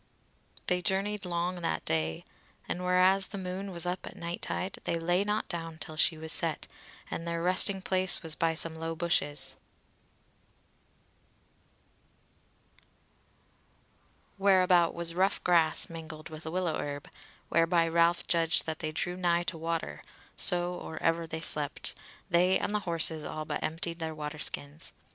They journeyed long that day, and whereas the moon was up at night tide they lay not down till she was set; and their resting place was by some low bushes, whereabout was rough grass mingled with willow herb, whereby Ralph judged that they drew nigh to water, so or ever they slept, they and the horses all but emptied the water skins.